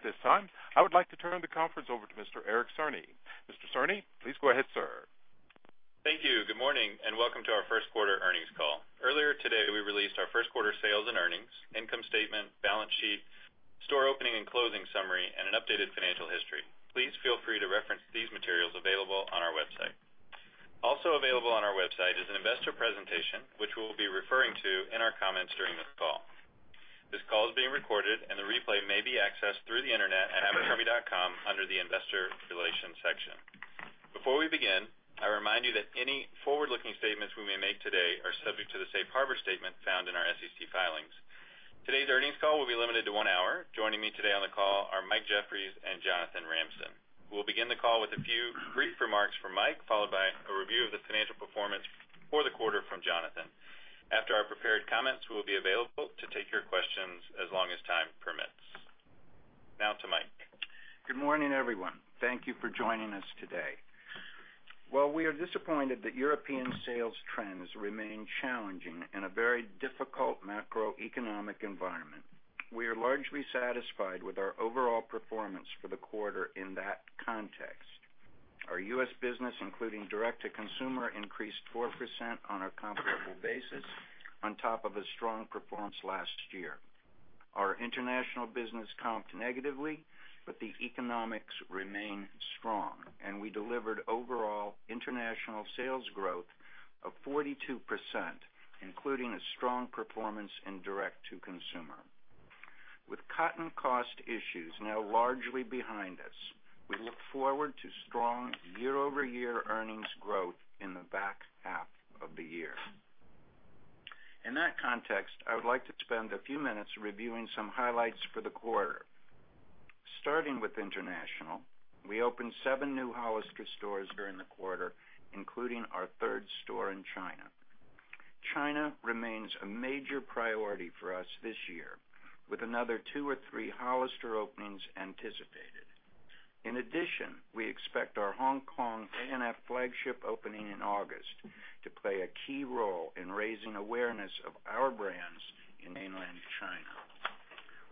At this time, I would like to turn the conference over to Mr. Eric Cerny. Mr. Cerny, please go ahead, sir. Thank you. Good morning. Welcome to our first quarter earnings call. Earlier today, we released our first quarter sales and earnings, income statement, balance sheet, store opening and closing summary, and an updated financial history. Please feel free to reference these materials available on our website. Also available on our website is an investor presentation, which we'll be referring to in our comments during this call. This call is being recorded. The replay may be accessed through the internet at abercrombie.com under the investor relations section. Before we begin, I remind you that any forward-looking statements we may make today are subject to the safe harbor statement found in our SEC filings. Today's earnings call will be limited to one hour. Joining me today on the call are Mike Jeffries and Jonathan Ramsden. We'll begin the call with a few brief remarks from Mike, followed by a review of the financial performance for the quarter from Jonathan. After our prepared comments, we will be available to take your questions as long as time permits. Now to Mike. Good morning, everyone. Thank you for joining us today. While we are disappointed that European sales trends remain challenging in a very difficult macroeconomic environment, we are largely satisfied with our overall performance for the quarter in that context. Our U.S. business, including direct-to-consumer, increased 4% on a comparable basis on top of a strong performance last year. Our international business comped negatively. The economics remain strong. We delivered overall international sales growth of 42%, including a strong performance in direct-to-consumer. With cotton cost issues now largely behind us, we look forward to strong year-over-year earnings growth in the back half of the year. In that context, I would like to spend a few minutes reviewing some highlights for the quarter. Starting with international, we opened seven new Hollister stores during the quarter, including our third store in China. China remains a major priority for us this year, with another two or three Hollister openings anticipated. In addition, we expect our Hong Kong A&F flagship opening in August to play a key role in raising awareness of our brands in mainland China.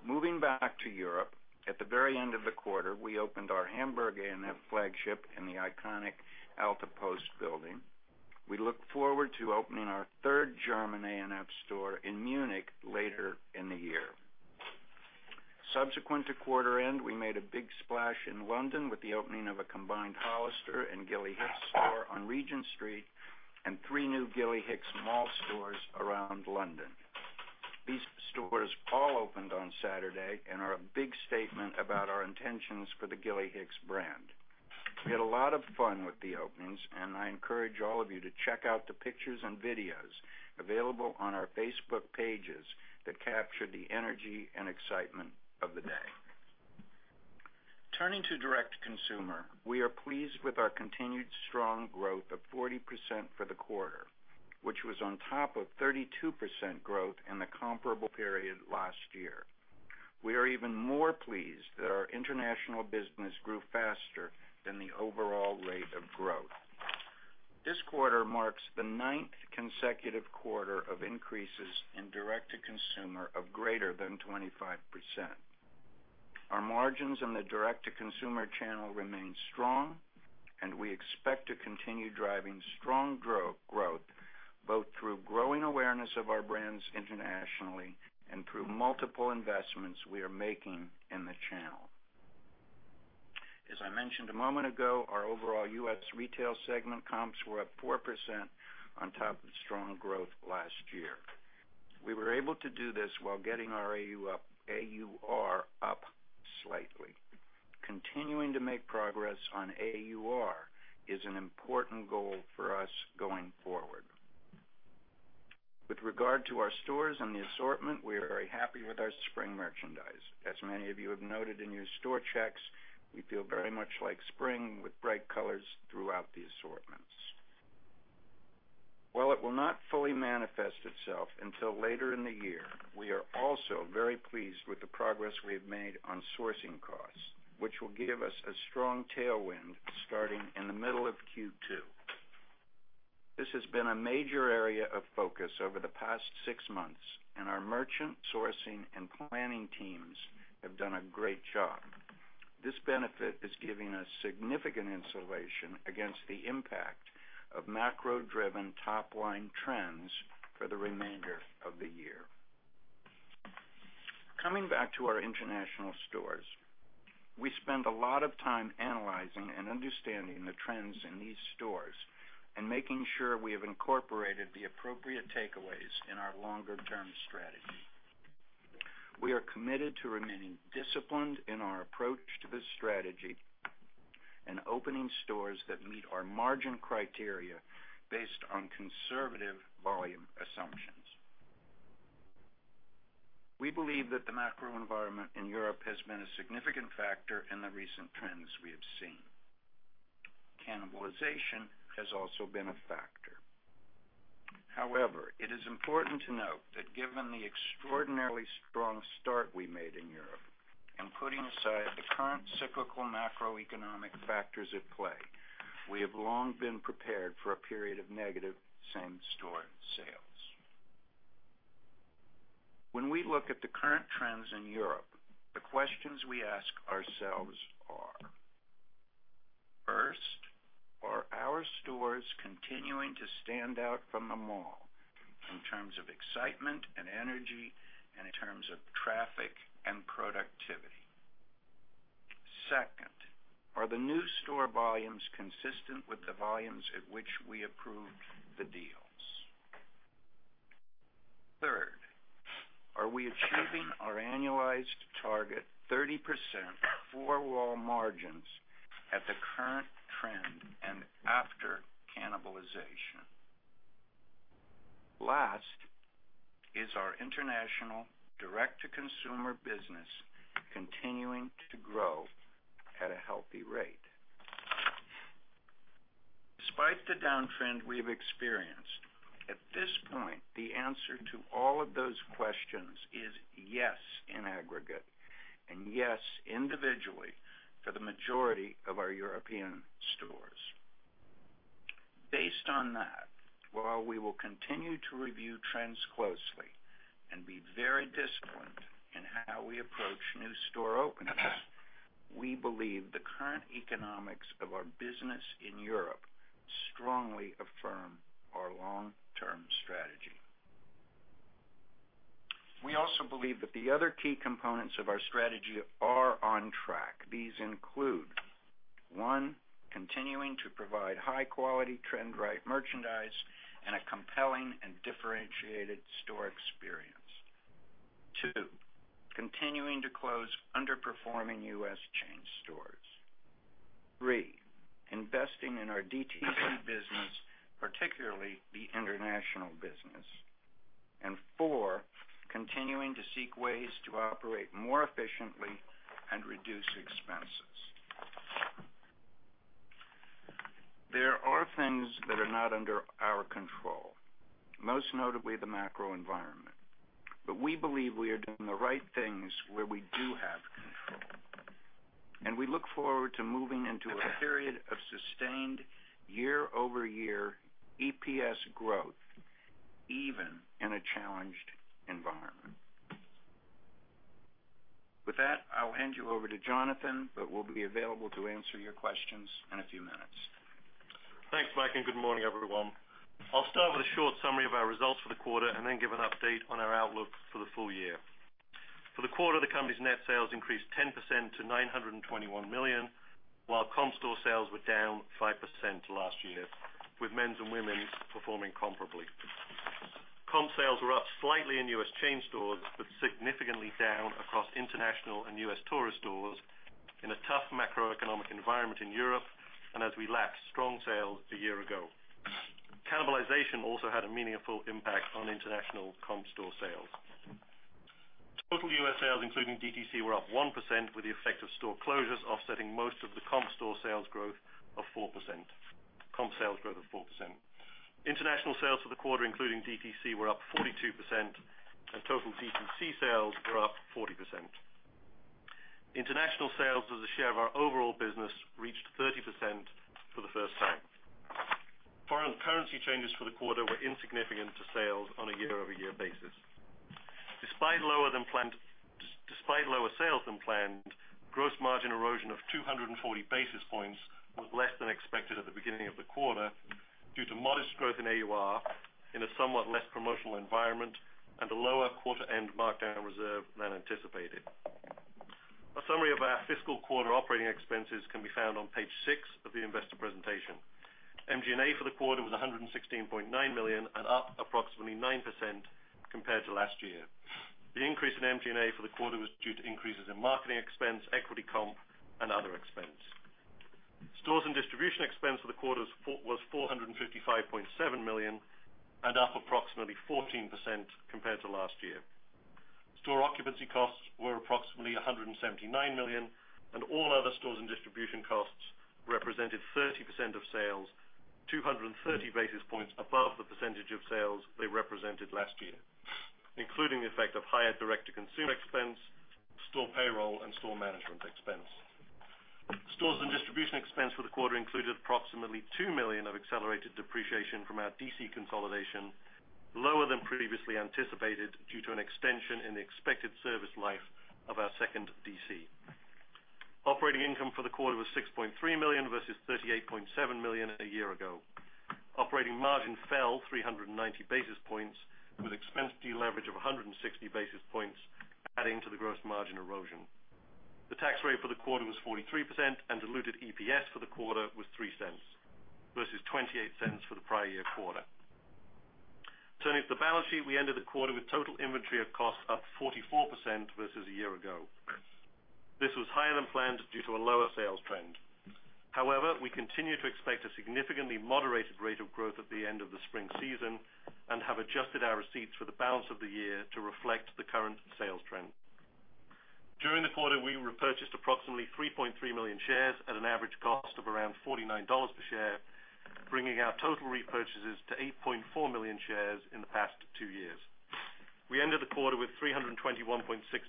Moving back to Europe, at the very end of the quarter, we opened our Hamburg A&F flagship in the iconic Alte Post building. We look forward to opening our third German A&F store in Munich later in the year. Subsequent to quarter end, we made a big splash in London with the opening of a combined Hollister and Gilly Hicks store on Regent Street and three new Gilly Hicks mall stores around London. These stores all opened on Saturday and are a big statement about our intentions for the Gilly Hicks brand. We had a lot of fun with the openings. I encourage all of you to check out the pictures and videos available on our Facebook pages that capture the energy and excitement of the day. Turning to direct-to-consumer, we are pleased with our continued strong growth of 40% for the quarter, which was on top of 32% growth in the comparable period last year. We are even more pleased that our international business grew faster than the overall rate of growth. This quarter marks the ninth consecutive quarter of increases in direct-to-consumer of greater than 25%. Our margins in the direct-to-consumer channel remain strong, and we expect to continue driving strong growth, both through growing awareness of our brands internationally and through multiple investments we are making in the channel. As I mentioned a moment ago, our overall U.S. retail segment comps were up 4% on top of strong growth last year. We were able to do this while getting our AUR up slightly. Continuing to make progress on AUR is an important goal for us going forward. With regard to our stores and the assortment, we are very happy with our spring merchandise. As many of you have noted in your store checks, we feel very much like spring with bright colors throughout the assortments. While it will not fully manifest itself until later in the year, we are also very pleased with the progress we have made on sourcing costs, which will give us a strong tailwind starting in the middle of Q2. This has been a major area of focus over the past six months, and our merchant sourcing and planning teams have done a great job. This benefit is giving us significant insulation against the impact of macro-driven top-line trends for the remainder of the year. Coming back to our international stores, we spent a lot of time analyzing and understanding the trends in these stores and making sure we have incorporated the appropriate takeaways in our longer-term strategy. We are committed to remaining disciplined in our approach to this strategy and opening stores that meet our margin criteria based on conservative volume assumptions. We believe that the macro environment in Europe has been a significant factor in the recent trends we have seen. Cannibalization has also been a factor. However, it is important to note that given the extraordinarily strong start we made in Europe, and putting aside the current cyclical macroeconomic factors at play, we have long been prepared for a period of negative same-store sales. When we look at the current trends in Europe, the questions we ask ourselves are, first, are our stores continuing to stand out from the mall in terms of excitement and energy, and in terms of traffic and productivity? Second, are the new store volumes consistent with the volumes at which we approved the deals? Third, are we achieving our annualized target 30% four-wall margins at the current trend and after cannibalization? Last, is our international direct-to-consumer business continuing to grow at a healthy rate? Despite the downtrend we've experienced, at this point, the answer to all of those questions is yes in aggregate, and yes individually for the majority of our European stores. While we will continue to review trends closely and be very disciplined in how we approach new store openings, we believe the current economics of our business in Europe strongly affirm our long-term strategy. We also believe that the other key components of our strategy are on track. These include, 1, continuing to provide high-quality, trend-right merchandise and a compelling and differentiated store experience. 2, continuing to close underperforming U.S. chain stores. 3, investing in our DTC business, particularly the international business. 4, continuing to seek ways to operate more efficiently and reduce expenses. There are things that are not under our control, most notably the macro environment. We believe we are doing the right things where we do have control. We look forward to moving into a period of sustained year-over-year EPS growth, even in a challenged environment. With that, I will hand you over to Jonathan, we'll be available to answer your questions in a few minutes. Thanks, Mike, good morning, everyone. I'll start with a short summary of our results for the quarter then give an update on our outlook for the full year. For the quarter, the company's net sales increased 10% to $921 million, while comp store sales were down 5% last year, with men's and women's performing comparably. Comp sales were up slightly in U.S. chain stores, significantly down across international and U.S. tourist stores in a tough macroeconomic environment in Europe as we lapped strong sales a year ago. Cannibalization also had a meaningful impact on international comp store sales. Total U.S. sales, including DTC, were up 1%, with the effect of store closures offsetting most of the comp sales growth of 4%. International sales for the quarter, including DTC, were up 42%, total DTC sales were up 40%. International sales as a share of our overall business reached 30% for the first time. Foreign currency changes for the quarter were insignificant to sales on a year-over-year basis. Despite lower sales than planned, gross margin erosion of 240 basis points was less than expected at the beginning of the quarter due to modest growth in AUR in a somewhat less promotional environment and a lower quarter-end markdown reserve than anticipated. A summary of our fiscal quarter operating expenses can be found on page six of the investor presentation. SG&A for the quarter was $116.9 million. Up approximately 9% compared to last year. The increase in SG&A for the quarter was due to increases in marketing expense, equity comp, and other expense. Stores and distribution expense for the quarter was $455.7 million. Up approximately 14% compared to last year. Store occupancy costs were approximately $179 million. All other stores and distribution costs represented 30% of sales, 230 basis points above the percentage of sales they represented last year, including the effect of higher direct-to-consumer expense, store payroll, and store management expense. Stores and distribution expense for the quarter included approximately $2 million of accelerated depreciation from our DC consolidation, lower than previously anticipated due to an extension in the expected service life of our second DC. Operating income for the quarter was $6.3 million versus $38.7 million a year ago. Operating margin fell 390 basis points with expense deleverage of 160 basis points adding to the gross margin erosion. The tax rate for the quarter was 43%. Diluted EPS for the quarter was $0.03 versus $0.28 for the prior-year quarter. Turning to the balance sheet, we ended the quarter with total inventory of costs up 44% versus a year ago. This was higher than planned due to a lower sales trend. We continue to expect a significantly moderated rate of growth at the end of the spring season and have adjusted our receipts for the balance of the year to reflect the current sales trend. During the quarter, we repurchased approximately 3.3 million shares at an average cost of around $49 per share, bringing our total repurchases to 8.4 million shares in the past two years. We ended the quarter with $321.6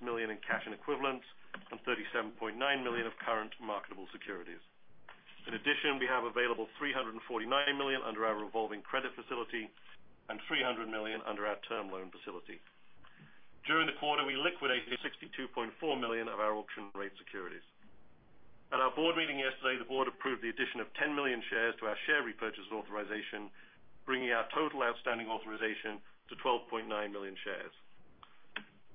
million in cash and equivalents and $37.9 million of current marketable securities. In addition, we have available $349 million under our revolving credit facility and $300 million under our term loan facility. During the quarter, we liquidated $62.4 million of our auction-rate securities. At our board meeting yesterday, the board approved the addition of 10 million shares to our share repurchase authorization, bringing our total outstanding authorization to 12.9 million shares.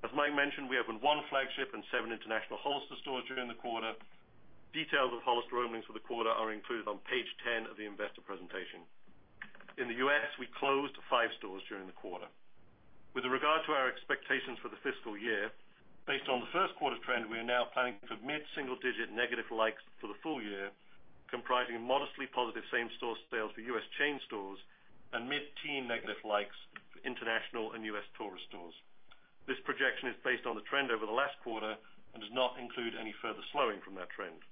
As Mike mentioned, we opened one flagship and seven international Hollister stores during the quarter. Details of Hollister openings for the quarter are included on page 10 of the investor presentation. In the U.S., we closed five stores during the quarter. With regard to our expectations for the fiscal year, based on the first quarter trend, we are now planning for mid-single-digit negative likes for the full year, comprising modestly positive same-store sales for U.S. chain stores and mid-teen negative likes for international and U.S. tourist stores. This projection is based on the trend over the last quarter and does not include any further slowing from that trend.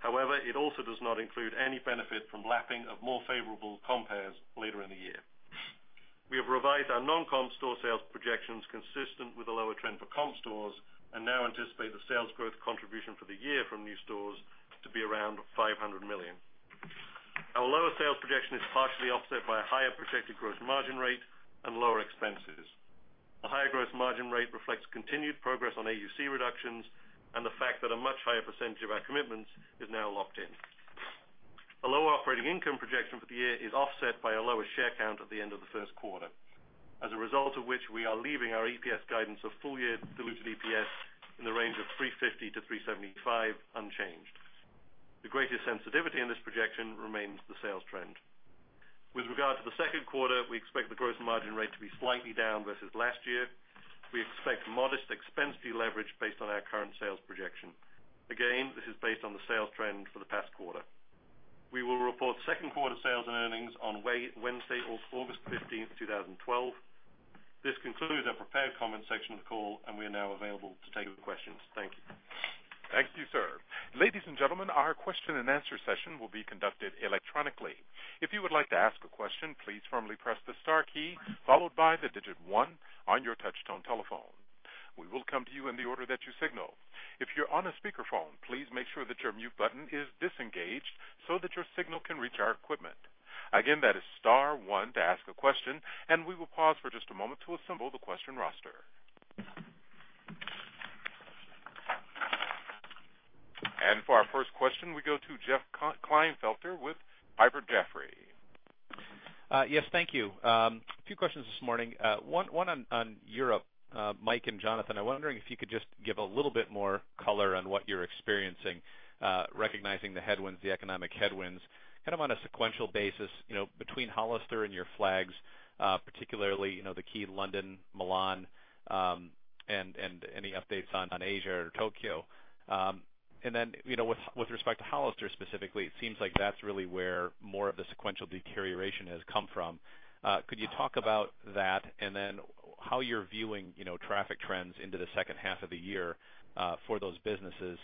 However, it also does not include any benefit from lapping of more favorable compares later in the year. We have revised our non-comp store sales projections consistent with the lower trend for comp stores and now anticipate the sales growth contribution for the year from new stores to be around $500 million. Our lower sales projection is partially offset by a higher projected gross margin rate and lower expenses. A higher gross margin rate reflects continued progress on AUC reductions and the fact that a much higher percentage of our commitments is now locked in. A lower operating income projection for the year is offset by a lower share count at the end of the first quarter, as a result of which we are leaving our EPS guidance of full-year diluted EPS in the range of $3.50-$3.75 unchanged. The greatest sensitivity in this projection remains the sales trend. With regard to the second quarter, we expect the gross margin rate to be slightly down versus last year. We expect modest expense deleverage based on our current sales projection. Again, this is based on the sales trend for the past quarter. We will report second-quarter sales and earnings on Wednesday, August 15, 2012. This concludes our prepared comment section of the call, and we are now available to take your questions. Thank you. Thank you, sir. Ladies and gentlemen, our question-and-answer session will be conducted electronically. If you would like to ask a question, please firmly press the star key followed by the digit one on your touch-tone telephone. We will come to you in the order that you signal. If you're on a speakerphone, please make sure that your mute button is disengaged so that your signal can reach our equipment. Again, that is star one to ask a question, and we will pause for just a moment to assemble the question roster. For our first question, we go to Jeff Klinefelter with Piper Jaffray. Yes, thank you. A few questions this morning. One on Europe. Mike and Jonathan, I'm wondering if you could just give a little bit more color on what you're experiencing, recognizing the headwinds, the economic headwinds, kind of on a sequential basis between Hollister and your flags, particularly, the key London, Milan, and any updates on Asia or Tokyo. With respect to Hollister specifically, it seems like that's really where more of the sequential deterioration has come from. Could you talk about that, and then how you're viewing traffic trends into the second half of the year for those businesses?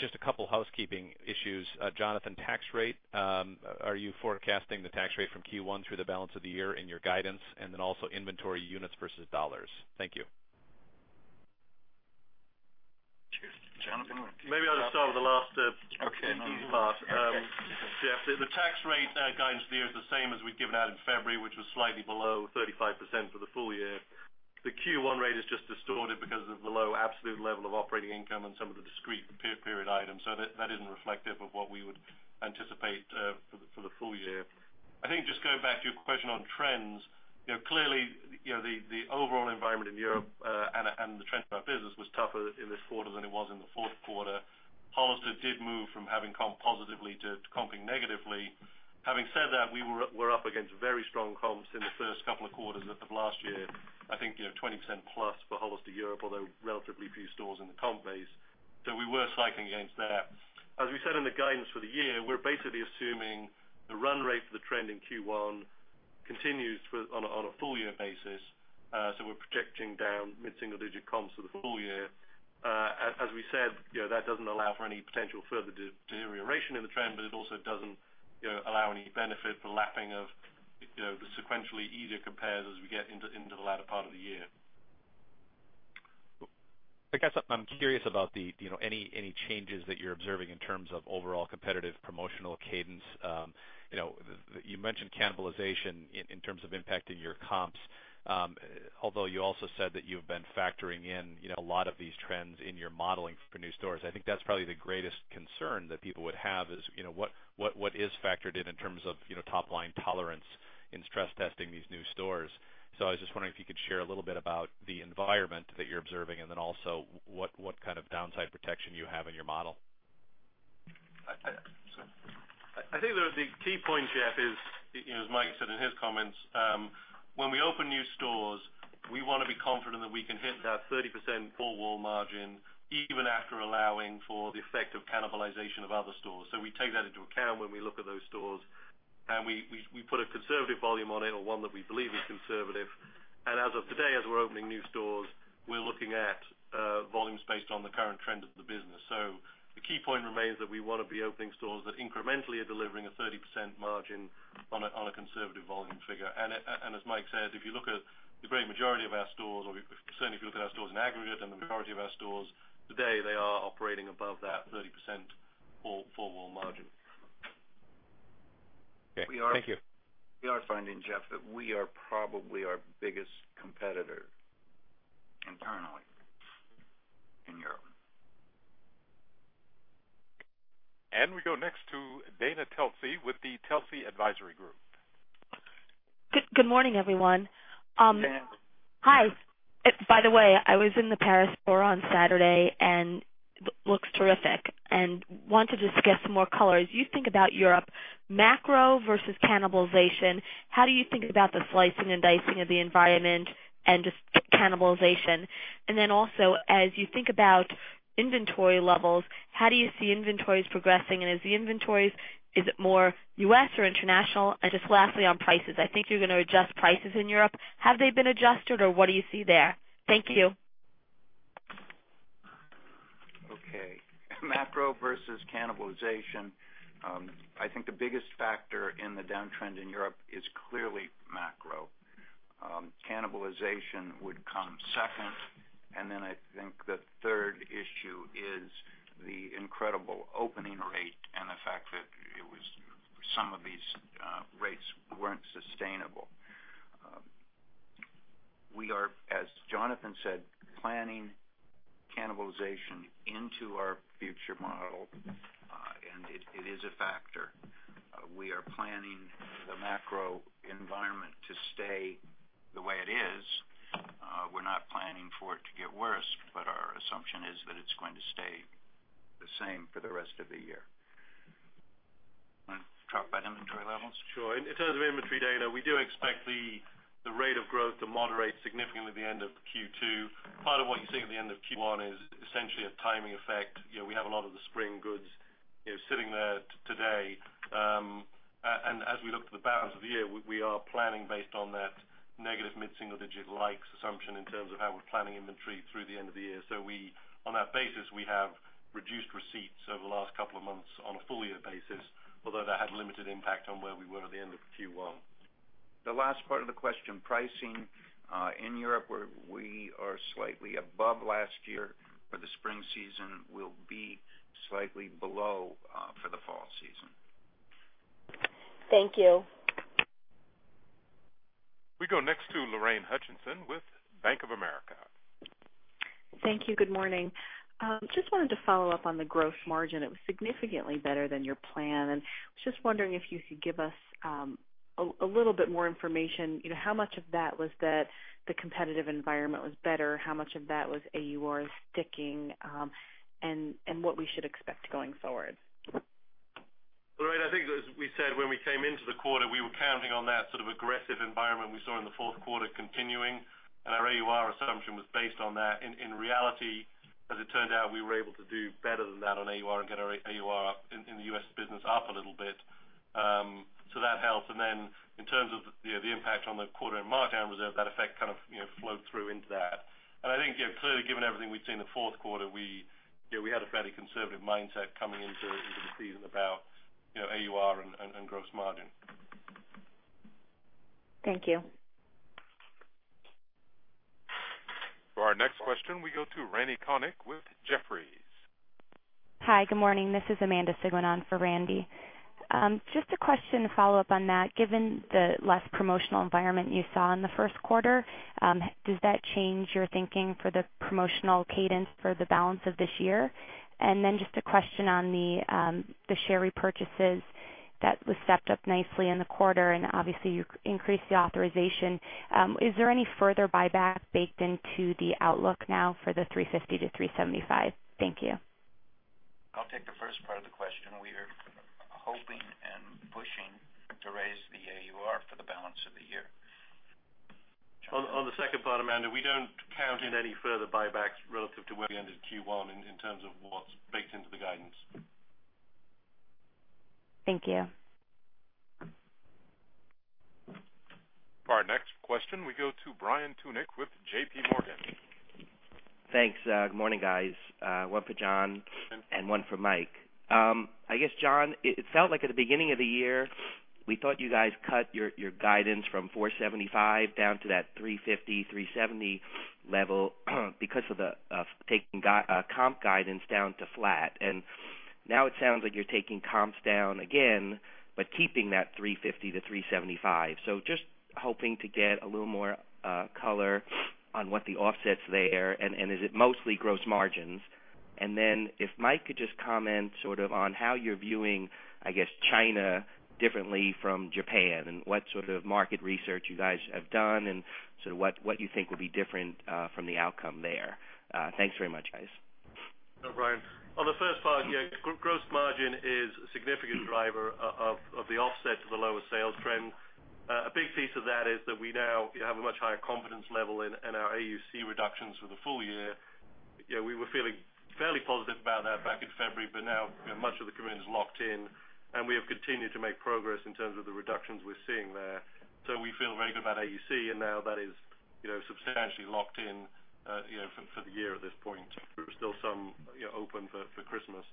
Just a couple housekeeping issues. Jonathan, tax rate. Are you forecasting the tax rate from Q1 through the balance of the year in your guidance? Also inventory units versus dollars. Thank you. Jonathan? Maybe I'll start with the last part. Jeff, the tax rate guidance there is the same as we'd given out in February, which was slightly below 35% for the full year. The Q1 rate is just distorted because of the low absolute level of operating income and some of the discrete period items. That isn't reflective of what we would anticipate for the full year. Going back to your question on trends, clearly, the overall environment in Europe and the trend of our business was tougher in this quarter than it was in the fourth quarter. Hollister did move from having comped positively to comping negatively. Having said that, we were up against very strong comps in the first couple of quarters of last year. 20% plus for Hollister Europe, although relatively few stores in the comp base. We were cycling against that. As we said in the guidance for the year, we're basically assuming the run rate for the trend in Q1 continues on a full-year basis. We're projecting down mid-single-digit comps for the full year. As we said, that doesn't allow for any potential further deterioration in the trend, but it also doesn't allow any benefit for lapping of the sequentially easier compares as we get into the latter part of the year. I guess I'm curious about any changes that you're observing in terms of overall competitive promotional cadence. You mentioned cannibalization in terms of impacting your comps. Although you also said that you've been factoring in a lot of these trends in your modeling for new stores. That's probably the greatest concern that people would have is, what is factored in in terms of top-line tolerance in stress testing these new stores? I was just wondering if you could share a little bit about the environment that you're observing and then also what kind of downside protection you have in your model. The key point, Jeff, is, as Mike said in his comments, when we open new stores, we want to be confident that we can hit that 30% four-wall margin even after allowing for the effect of cannibalization of other stores. We take that into account when we look at those stores, and we put a conservative volume on it or one that we believe is conservative. As of today, as we're opening new stores, we're looking at volumes based on the current trend of the business. The key point remains that we want to be opening stores that incrementally are delivering a 30% margin on a conservative volume figure. As Mike said, if you look at the great majority of our stores, or certainly if you look at our stores in aggregate and the majority of our stores, today they are operating above that 30% four-wall margin. Okay. Thank you. We are finding, Jeff, that we are probably our biggest competitor internally in Europe. We go next to Dana Telsey with the Telsey Advisory Group. Good morning, everyone. Dana. Hi. By the way, I was in the Paris store on Saturday, it looks terrific. Wanted to just get some more color. As you think about Europe, macro versus cannibalization, how do you think about the slicing and dicing of the environment and just cannibalization? Also, as you think about inventory levels, how do you see inventories progressing? As the inventories, is it more U.S. or international? Lastly, on prices. I think you're going to adjust prices in Europe. Have they been adjusted, or what do you see there? Thank you. Okay. Macro versus cannibalization. I think the biggest factor in the downtrend in Europe is clearly macro. Cannibalization would come second, the third issue is the incredible opening rate and the fact that some of these rates weren't sustainable. We are, as Jonathan said, planning cannibalization into our future model, it is a factor. We are planning the macro environment to stay the way it is. We're not planning for it to get worse, our assumption is that it's going to stay the same for the rest of the year. Want to talk about inventory levels? Sure. In terms of inventory data, we do expect the rate of growth to moderate significantly at the end of Q2. Part of what you're seeing at the end of Q1 is essentially a timing effect. We have a lot of the spring goods sitting there today. As we look to the balance of the year, we are planning based on that negative mid-single-digit comps assumption in terms of how we're planning inventory through the end of the year. On that basis, we have reduced receipts over the last couple of months on a full-year basis, although that had limited impact on where we were at the end of Q1. The last part of the question, pricing. In Europe, we are slightly above last year, the spring season will be slightly below for the fall season. Thank you. We go next to Lorraine Hutchinson with Bank of America. Thank you. Good morning. Just wanted to follow up on the gross margin. It was significantly better than your plan, and was just wondering if you could give us a little bit more information. How much of that was that the competitive environment was better? How much of that was AUR sticking? What we should expect going forward. Lorraine, I think as we said when we came into the quarter, we were counting on that sort of aggressive environment we saw in the fourth quarter continuing, and our AUR assumption was based on that. In reality, as it turned out, we were able to do better than that on AUR and get our AUR up in the U.S. business up a little bit. That helped. Then in terms of the impact on the quarter and markdown reserve, that effect kind of flowed through into that. I think clearly, given everything we'd seen in the fourth quarter, we had a fairly conservative mindset coming into the season about AUR and gross margin. Thank you. For our next question, we go to Randal Konik with Jefferies. Hi, good morning. This is Amanda Sigouin on for Randy. Just a question to follow up on that. Given the less promotional environment you saw in the first quarter, does that change your thinking for the promotional cadence for the balance of this year? Just a question on the share repurchases. That was stepped up nicely in the quarter, and obviously you increased the authorization. Is there any further buyback baked into the outlook now for the $350-$375? Thank you. I'll take the first part of the question. We are hoping and pushing to raise the AUR for the balance of the year. Jonathan. On the second part, Amanda, we don't count in any further buybacks relative to where we ended Q1 in terms of what's baked into the guidance. Thank you. For our next question, we go to Brian Tunick with JPMorgan. Thanks. Good morning, guys. One for John and one for Mike. I guess, John, it felt like at the beginning of the year, we thought you guys cut your guidance from $475 down to that $350, $370 level because of taking comp guidance down to flat. Now it sounds like you're taking comps down again, but keeping that $350-$375. Just hoping to get a little more color on what the offset's there, and is it mostly gross margins? Then if Mike could just comment sort of on how you're viewing, I guess, China differently from Japan and what sort of market research you guys have done, and sort of what you think will be different from the outcome there. Thanks very much, guys. Brian. On the first part, gross margin is a significant driver of the offset to the lower sales trend. A big piece of that is that we now have a much higher confidence level in our AUC reductions for the full year. We were feeling fairly positive about that back in February, but now much of the commitment is locked in, and we have continued to make progress in terms of the reductions we're seeing there. We feel very good about AUC, and now that is substantially locked in for the year at this point. There are still some open for Christmas.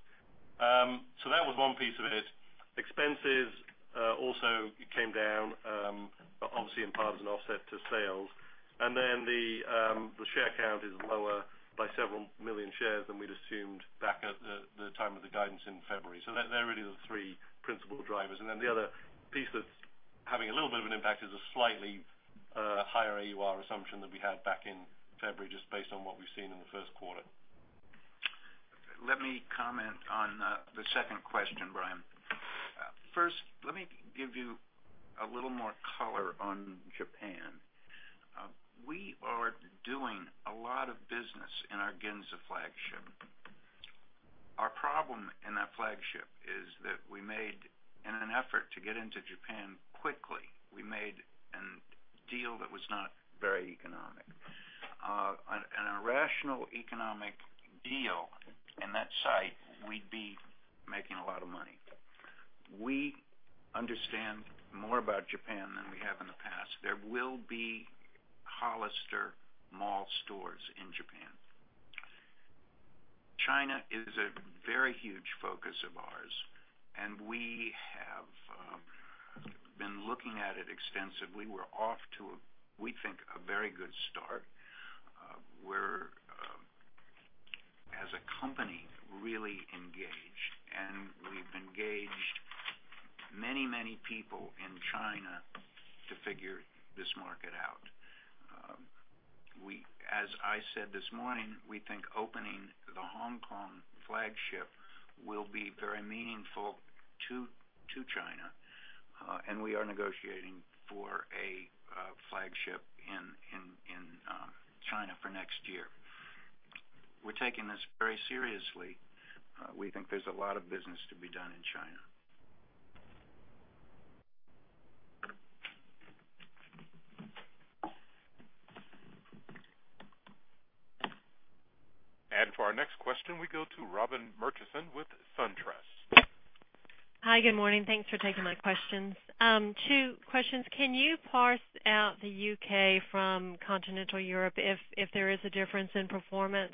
That was one piece of it. Expenses also came down, obviously in part as an offset to sales. The share count is lower by several million shares than we'd assumed back at the time of the guidance in February. They're really the three principal drivers. The other piece that's having a little bit of an impact is a slightly higher AUR assumption than we had back in February, just based on what we've seen in the first quarter. Let me comment on the second question, Brian. First, let me give you a little more color on Japan. We are doing a lot of business in our Ginza flagship. Our problem in that flagship is that we made, in an effort to get into Japan quickly, we made a deal that was not very economic. On a rational economic deal in that site, we'd be making a lot of money. We understand more about Japan than we have in the past. There will be Hollister mall stores in Japan. China is a very huge focus of ours, we have been looking at it extensively. We're off to, we think, a very good start. We're, as a company, really engaged, we've engaged many people in China to figure this market out. As I said this morning, we think opening the Hong Kong flagship will be very meaningful to China, we are negotiating for a flagship in China for next year. We're taking this very seriously. We think there's a lot of business to be done in China. For our next question, we go to Robin Murchison with SunTrust. Hi, good morning. Thanks for taking my questions. Two questions. Can you parse out the U.K. from continental Europe if there is a difference in performance?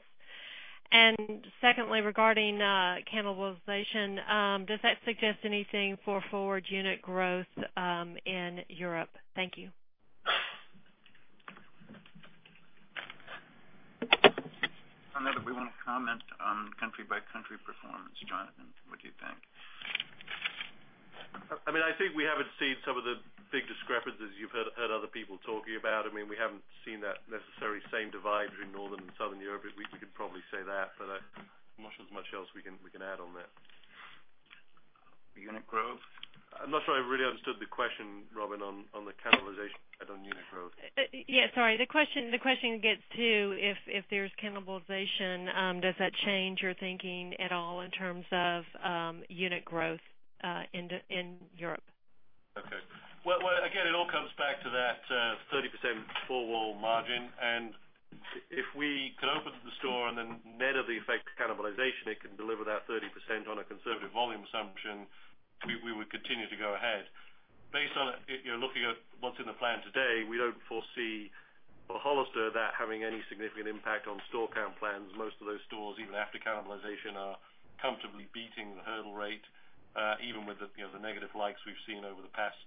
Secondly, regarding cannibalization, does that suggest anything for forward unit growth in Europe? Thank you. I don't know that we want to comment on country by country performance. Jonathan, what do you think? I think we haven't seen some of the big discrepancies you've heard other people talking about. We haven't seen that necessary same divide between Northern and Southern Europe. We could probably say that, but I'm not sure there's much else we can add on that. Unit growth? I'm not sure I really understood the question, Robin, on the cannibalization and on unit growth. Yeah, sorry. The question gets to if there's cannibalization, does that change your thinking at all in terms of unit growth in Europe? Okay. Well, again, it all comes back to that 30% four-wall margin, and if we can open the store and then net of the effect of cannibalization, it can deliver that 30% on a conservative volume assumption, we would continue to go ahead. Based on if you're looking at what's in the plan today, we don't foresee, for Hollister, that having any significant impact on store count plans. Most of those stores, even after cannibalization, are comfortably beating the hurdle rate, even with the negative likes we've seen over the past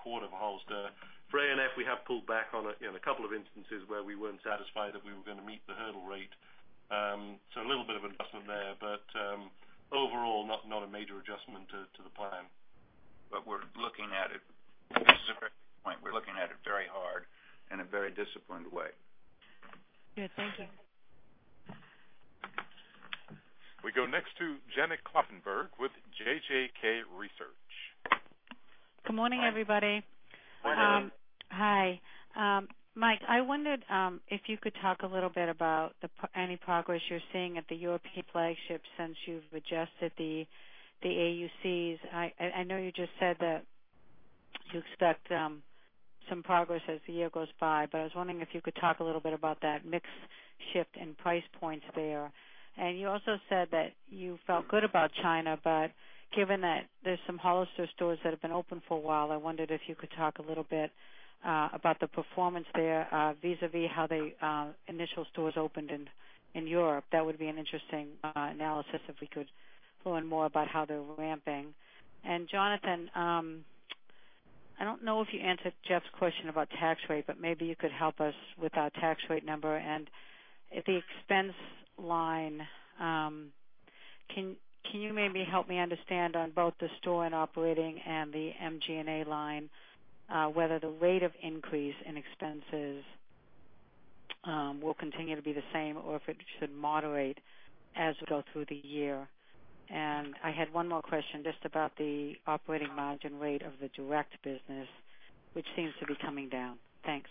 quarter for Hollister. For ANF, we have pulled back on it in a couple of instances where we weren't satisfied that we were going to meet the hurdle rate. A little bit of adjustment there, but overall, not a major adjustment to the plan. We're looking at it. Robin makes a great point. We're looking at it very hard in a very disciplined way. Good. Thank you. We go next to Janet Kloppenburg with JJK Research. Good morning, everybody. Morning. Hi. Mike, I wondered if you could talk a little bit about any progress you're seeing at the European flagship since you've adjusted the AUCs. I know you just said that you expect some progress as the year goes by, but I was wondering if you could talk a little bit about that mix shift and price points there. You also said that you felt good about China, but given that there's some Hollister stores that have been open for a while, I wondered if you could talk a little bit about the performance there vis-a-vis how the initial stores opened in Europe. That would be an interesting analysis if we could learn more about how they're ramping. Jonathan, I don't know if you answered Jeff's question about tax rate, but maybe you could help us with our tax rate number and the expense line. Can you maybe help me understand on both the store and operating and the SG&A line, whether the rate of increase in expenses will continue to be the same or if it should moderate as we go through the year? I had one more question, just about the operating margin rate of the direct business, which seems to be coming down. Thanks.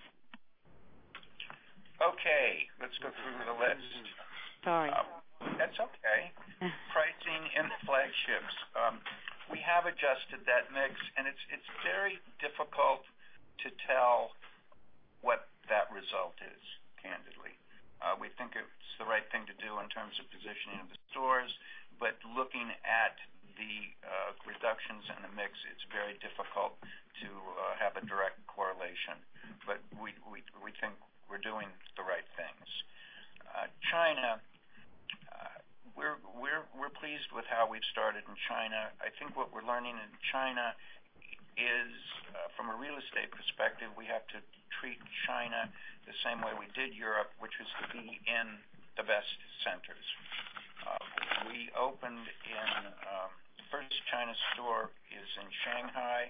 Okay, let's go through the list. Sorry. That's okay. Pricing in the flagships. We have adjusted that mix, It's very difficult to tell what that result is, candidly. We think it's the right thing to do in terms of positioning of the stores, Looking at the reductions in the mix, it's very difficult to have a direct correlation. We think we're doing the right things. China, we're pleased with how we've started in China. I think what we're learning in China is, from a real estate perspective, we have to treat China the same way we did Europe, which was to be in the best centers. We opened in—the first China store is in Shanghai.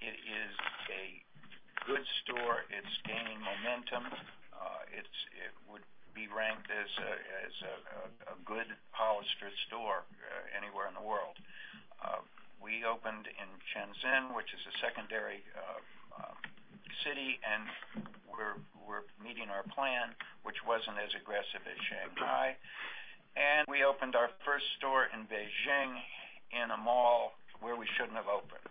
It is a good store. It's gaining momentum. It would be ranked as a good Hollister store anywhere in the world. We opened in Shenzhen, which is a secondary city, and we're meeting our plan, which wasn't as aggressive as Shanghai. We opened our first store in Beijing, in a mall where we shouldn't have opened.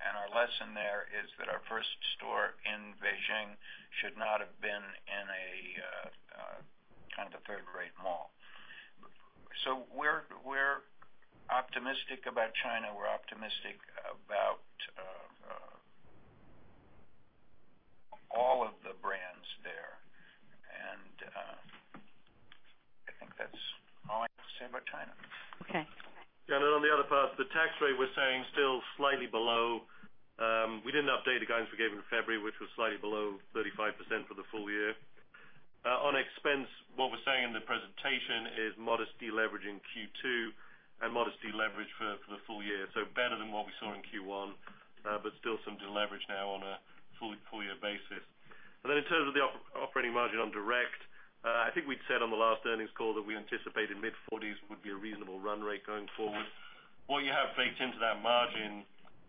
Our lesson there is that our first store in Beijing should not have been in a kind of third-rate mall. We're optimistic about China. We're optimistic about all of the brands there, and I think that's all I have to say about China. Okay. Yeah. On the other part, the tax rate, we're saying still slightly below. We didn't update the guidance we gave in February, which was slightly below 35% for the full year. On expense, what we're saying in the presentation is modest deleveraging Q2 and modest deleverage for the full year. Better than what we saw in Q1, but still some deleverage now on a full year basis. In terms of the operating margin on direct, I think we'd said on the last earnings call that we anticipated mid-forties would be a reasonable run rate going forward. What you have baked into that margin,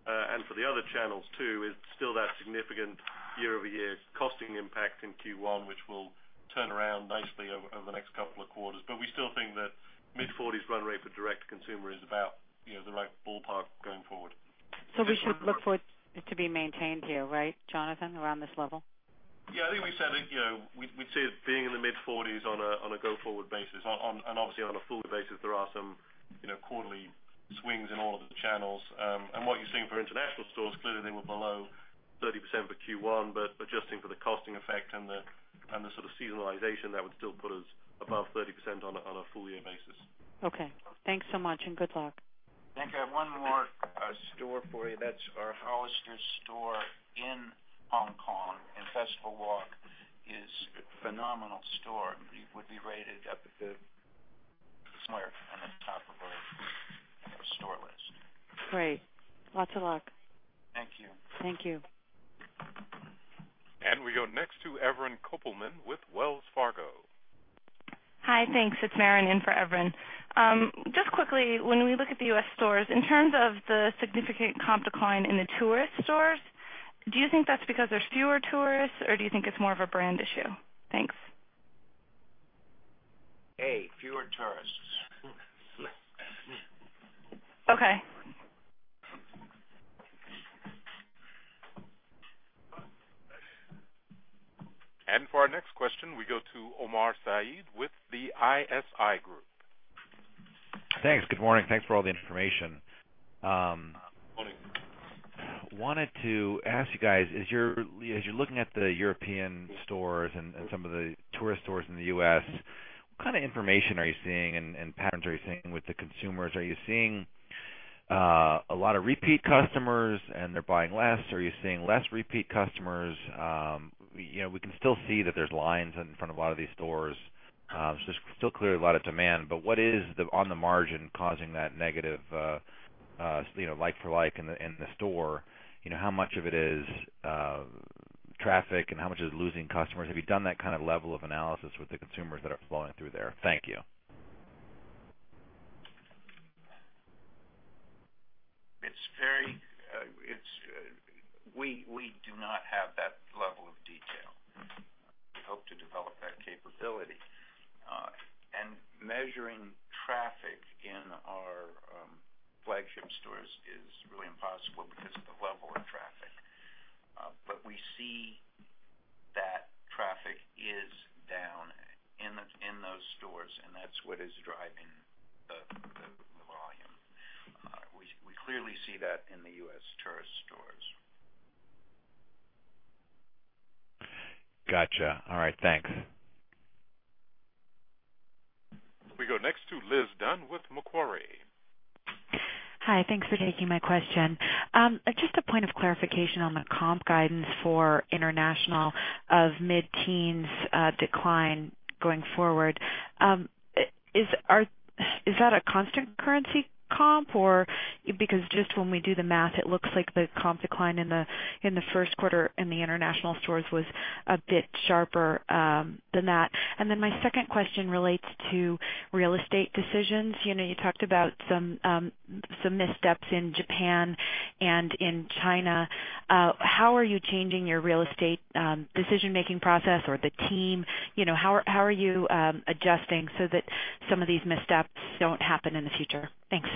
and for the other channels too, is still that significant year-over-year costing impact in Q1, which will turn around nicely over the next couple of quarters. We still think that mid-forties run rate for direct-to-consumer is about the right ballpark going forward. We should look for it to be maintained here, right, Jonathan, around this level? I think we said it. We'd see it being in the mid-40s on a go-forward basis. Obviously on a full basis, there are some quarterly swings in all of the channels. What you're seeing for international stores, clearly they were below 30% for Q1. Adjusting for the costing effect and the sort of seasonalization, that would still put us above 30% on a full year basis. Okay. Thanks so much and good luck. I think I have one more store for you. That's our Hollister store in Hong Kong, in Festival Walk. It is a phenomenal store. It would be rated up somewhere on the top of a store list. Great. Lots of luck. Thank you. Thank you. We go next to Evren Kopelman with Wells Fargo. Hi. Thanks. It's Maren in for Evren. Quickly, when we look at the U.S. stores, in terms of the significant comp decline in the tourist stores, do you think that's because there's fewer tourists, or do you think it's more of a brand issue? Thanks. fewer tourists. Okay. For our next question, we go to Omar Saad with the ISI Group. Thanks. Good morning. Thanks for all the information. Morning. I wanted to ask you guys, as you're looking at the European stores and some of the tourist stores in the U.S., what kind of information are you seeing and patterns are you seeing with the consumers? Are you seeing a lot of repeat customers, and they're buying less? Are you seeing less repeat customers? We can still see that there's lines in front of a lot of these stores. There's still clearly a lot of demand, but what is, on the margin, causing that negative like-for-like in the store? How much of it is traffic, and how much is losing customers? Have you done that kind of level of analysis with the consumers that are flowing through there? Thank you. We do not have that level of detail. We hope to develop that capability. Measuring traffic in our flagship stores is really impossible because of the level of traffic. We see that traffic is down in those stores, and that's what is driving the volume. We clearly see that in the U.S. tourist stores. Got you. All right. Thanks. We go next to Liz Dunn with Macquarie. Hi. Thanks for taking my question. Just a point of clarification on the comp guidance for international of mid-teens decline going forward. Is that a constant currency comp or-- because just when we do the math, it looks like the comp decline in the first quarter in the international stores was a bit sharper than that. My second question relates to real estate decisions. You talked about some missteps in Japan and in China. How are you changing your real estate decision-making process or the team? How are you adjusting so that some of these missteps don't happen in the future? Thanks.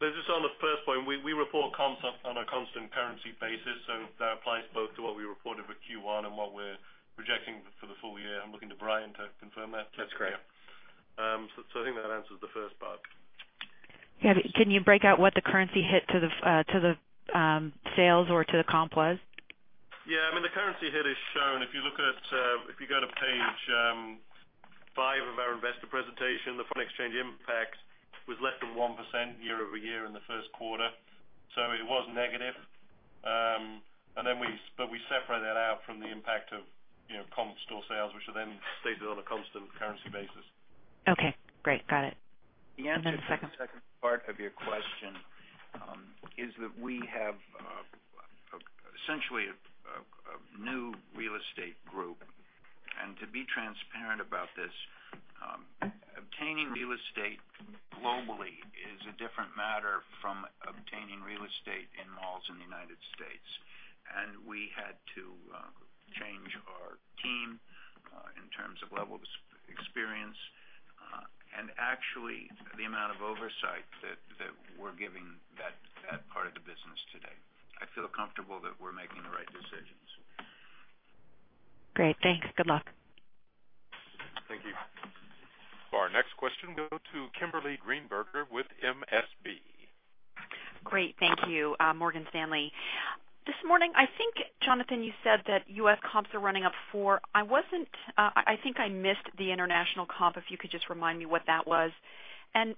Liz, just on the first point, we report comps on a constant currency basis, that applies both to what we reported for Q1 and what we're projecting for the full year. I'm looking to Brian to confirm that. That's correct. I think that answers the first part. Yeah. Can you break out what the currency hit to the sales or to the comp was? Yeah. I mean, the currency hit is shown. If you go to page five of our investor presentation, the foreign exchange impact was less than 1% year-over-year in the first quarter. It was negative. We separate that out from the impact of comp store sales, which are stated on a constant currency basis. Okay, great. Got it. The answer to the second part of your question is that we have essentially a new real estate group. To be transparent about this, obtaining real estate globally is a different matter from obtaining real estate in malls in the United States. We had to change our team in terms of levels of experience and actually the amount of oversight that we're giving that part of the business today. I feel comfortable that we're making the right decisions. Great. Thanks. Good luck. Thank you. Our next question will go to Kimberly Greenberger with Morgan Stanley. Great. Thank you. Morgan Stanley. This morning, I think, Jonathan, you said that U.S. comps are running up 4%. I think I missed the international comp, if you could just remind me what that was.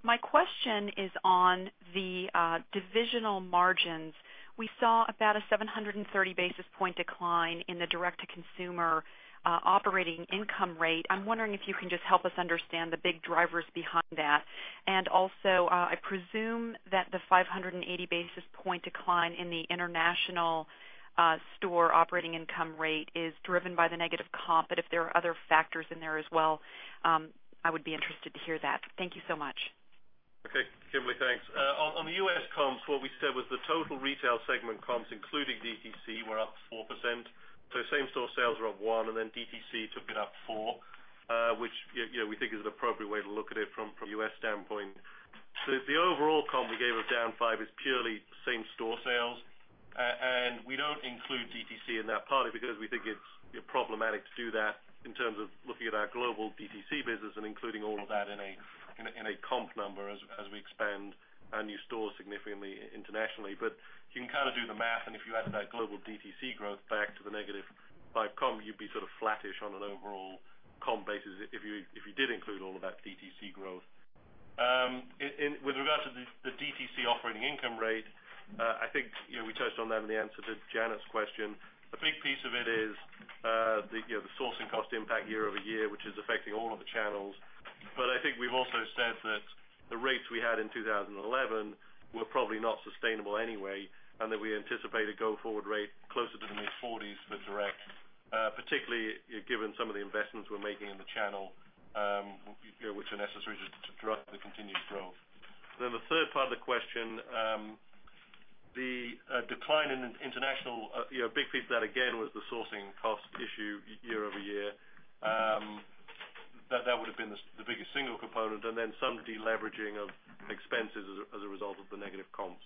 My question is on the divisional margins. We saw about a 730 basis point decline in the direct-to-consumer operating income rate. I am wondering if you can just help us understand the big drivers behind that. Also, I presume that the 580 basis point decline in the international store operating income rate is driven by the negative comp. If there are other factors in there as well, I would be interested to hear that. Thank you so much. Okay. Kimberly, thanks. On the U.S. comps, what we said was the total retail segment comps, including DTC, were up 4%. Same-store sales were up 1%, and then DTC took it up 4%, which we think is an appropriate way to look at it from U.S. standpoint. The overall comp we gave of down 5% is purely same-store sales. We don't include DTC in that, partly because we think it's problematic to do that in terms of looking at our global DTC business and including all of that in a comp number as we expand our new stores significantly internationally. You can do the math, and if you added that global DTC growth back to the negative 5% comp, you'd be sort of flattish on an overall comp basis if you did include all of that DTC growth. With regards to the DTC operating income rate, I think we touched on that in the answer to Janet's question. A big piece of it is the sourcing cost impact year-over-year, which is affecting all of the channels. I think we've also said that the rates we had in 2011 were probably not sustainable anyway, and that we anticipate a go-forward rate closer to the mid-40s for direct, particularly given some of the investments we're making in the channel, which are necessary to drive the continued growth. The third part of the question, the decline in international. A big piece of that, again, was the sourcing cost issue year-over-year. That would have been the biggest single component, and then some deleveraging of expenses as a result of the negative comps.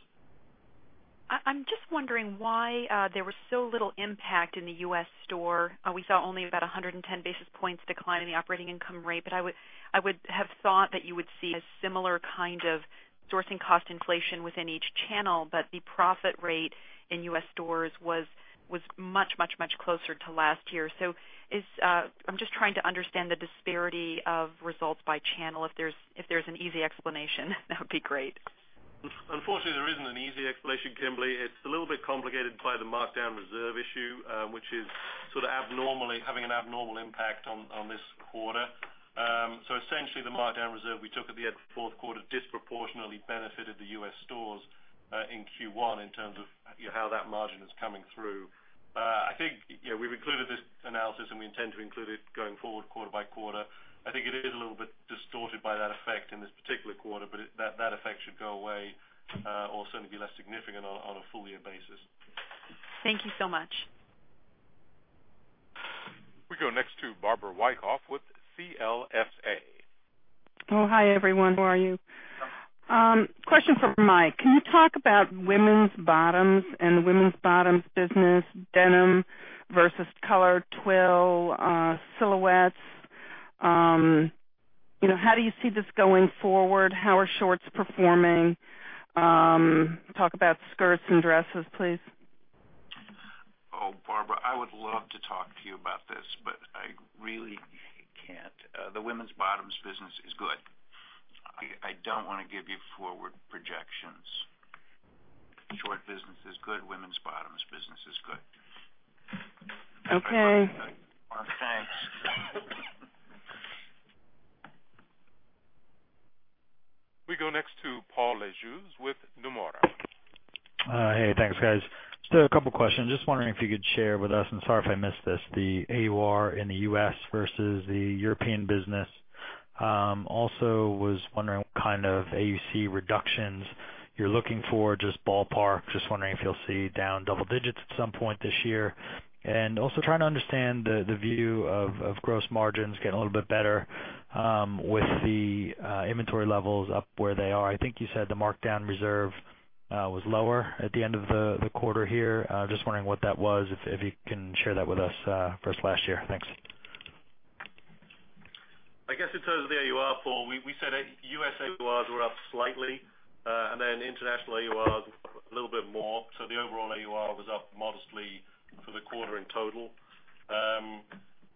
I'm just wondering why there was so little impact in the U.S. store. We saw only about 110 basis points decline in the operating income rate. I would have thought that you would see a similar kind of sourcing cost inflation within each channel. The profit rate in U.S. stores was much closer to last year. I'm just trying to understand the disparity of results by channel. If there's an easy explanation that would be great. Unfortunately, there isn't an easy explanation, Kimberly. It's a little bit complicated by the markdown reserve issue, which is sort of having an abnormal impact on this quarter. Essentially, the markdown reserve we took at the end of the fourth quarter disproportionately benefited the U.S. stores in Q1 in terms of how that margin is coming through. I think we've included this analysis, and we intend to include it going forward quarter-by-quarter. I think it is a little bit distorted by that effect in this particular quarter, but that effect should go away or certainly be less significant on a full-year basis. Thank you so much. We go next to Barbara Wyckoff with CLSA. Oh, hi, everyone. How are you? Question for Mike. Can you talk about women's bottoms and the women's bottoms business, denim versus color, twill, silhouettes? How do you see this going forward? How are shorts performing? Talk about skirts and dresses, please. Oh, Barbara, I would love to talk to you about this, but I really can't. The women's bottoms business is good. I don't want to give you forward projections. Short business is good. Women's bottoms business is good. Okay. Well, thanks. We go next to Paul Lejuez with Nomura. Hey, thanks, guys. Just a couple of questions. Just wondering if you could share with us, and sorry if I missed this, the AUR in the U.S. versus the European business. Also was wondering what kind of AUC reductions you're looking for, just ballpark. Just wondering if you'll see down double digits at some point this year. Also trying to understand the view of gross margins getting a little bit better with the inventory levels up where they are. I think you said the markdown reserve was lower at the end of the quarter here. Just wondering what that was, if you can share that with us versus last year. Thanks. I guess in terms of the AUR, Paul, we said U.S. AURs were up slightly. Then international AURs a little bit more. The overall AUR was up modestly for the quarter in total.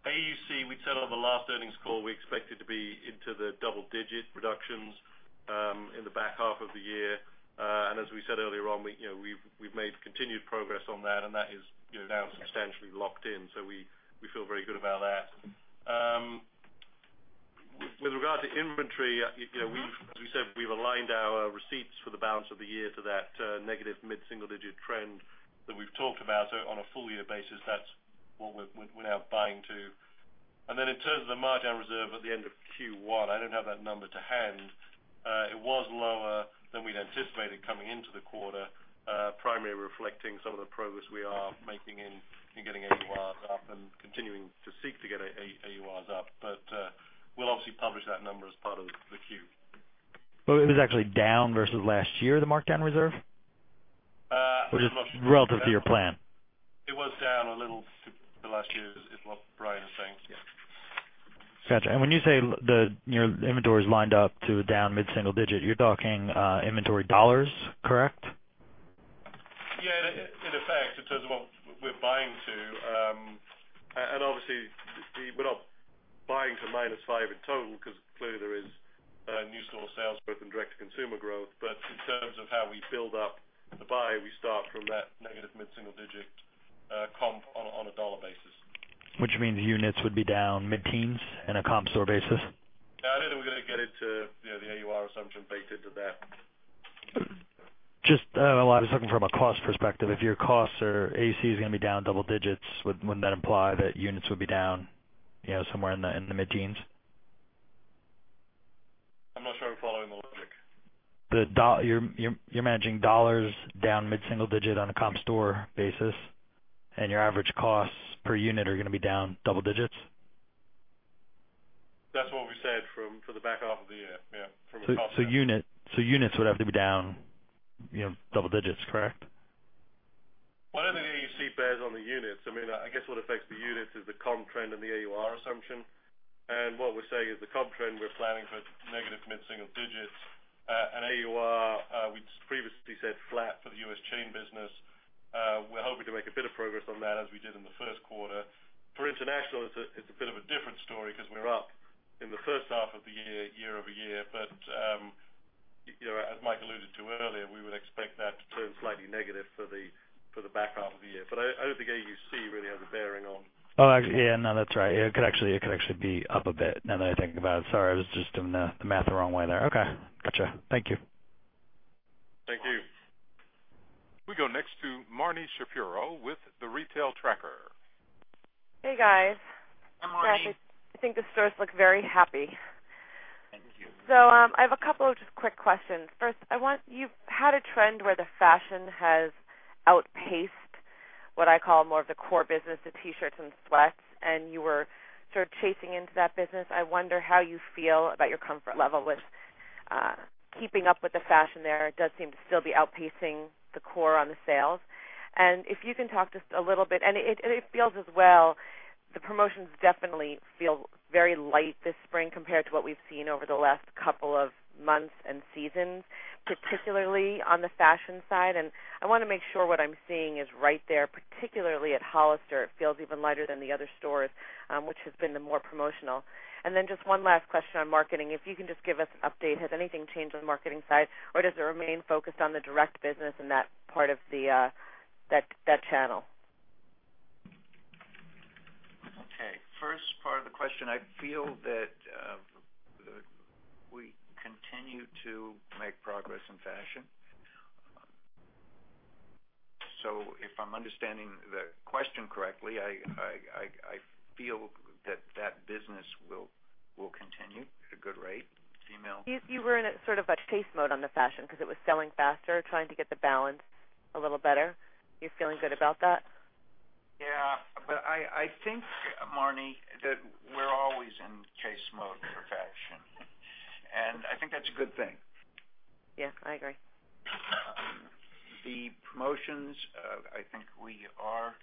AUC, we said on the last earnings call, we expected to be into the double-digit reductions in the back half of the year. As we said earlier on, we've made continued progress on that, and that is now substantially locked in. We feel very good about that. With regard to inventory, as we said, we've aligned our receipts for the balance of the year to that negative mid-single digit trend that we've talked about. On a full year basis, that's what we're now buying to. Then in terms of the markdown reserve at the end of Q1, I don't have that number to hand. It was lower than we'd anticipated coming into the quarter, primarily reflecting some of the progress we are making in getting AURs up and continuing to seek to get AURs up. We'll obviously publish that number as part of the Q. It was actually down versus last year, the markdown reserve? It was. Relative to your plan. It was down a little to the last year, is what Brian is saying. Yeah. Got you. When you say your inventory is lined up to down mid-single digit, you're talking inventory dollars, correct? Yeah. In effect, in terms of what we're buying to, obviously, we're not buying to -5 in total because clearly there is new store sales growth and direct-to-consumer growth. In terms of how we build up the buy, we start from that negative mid-single digit comp on a dollar basis. Which means units would be down mid-teens on a comp store basis. No, I don't think we're going to get into the AUR assumption baked into that. Just, well, I was looking from a cost perspective. If your costs or AC is going to be down double digits, wouldn't that imply that units would be down somewhere in the mid-teens? I'm not sure I'm following the logic. You're managing dollars down mid-single digit on a comp store basis, your average costs per unit are going to be down double digits? That's what we said for the back half of the year. Yeah. units would have to be down double digits, correct? Well, I don't think AUC bears on the units. I guess what affects the units is the comp trend and the AUR assumption. What we're saying is the comp trend, we're planning for negative mid-single digits. AUR, we previously said flat for the U.S. chain business. We're hoping to make a bit of progress on that as we did in the first quarter. For international, it's a bit of a different story because we're up in the first half of the year-over-year. As Mike alluded to earlier, we would expect that to turn slightly negative for the back half of the year. I don't think AUC really has a bearing on. Oh, actually. Yeah. No, that's right. It could actually be up a bit, now that I think about it. Sorry, I was just doing the math the wrong way there. Okay. Got you. Thank you. Thank you. We go next to Marni Shapiro with The Retail Tracker. Hey, guys. Hi, Marni. I think the stores look very happy. Thank you. I have a couple of just quick questions. First, you've had a trend where the fashion has outpaced what I call more of the core business, the T-shirts and sweats, and you were sort of chasing into that business. I wonder how you feel about your comfort level with keeping up with the fashion there. It does seem to still be outpacing the core on the sales. If you can talk just a little bit, and it feels as well, the promotions definitely feel very light this spring compared to what we've seen over the last couple of months and seasons, particularly on the fashion side. I want to make sure what I'm seeing is right there, particularly at Hollister. It feels even lighter than the other stores, which has been the more promotional. Then just one last question on marketing. If you can just give us an update. Has anything changed on the marketing side, or does it remain focused on the direct business and that part of that channel? Okay. First part of the question, I feel that we continue to make progress in fashion. If I'm understanding the question correctly, I feel that that business will continue at a good rate. You were in a sort of a chase mode on the fashion because it was selling faster, trying to get the balance a little better. You're feeling good about that? Yeah. I think, Marni, that we're always in chase mode for fashion, and I think that's a good thing. Yes. I agree. The promotions, I think we are